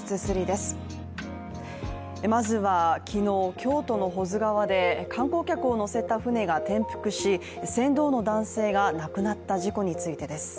まずは、昨日、京都の保津川で観光客を乗せた船が転覆し、船頭の男性が亡くなった事故についてです。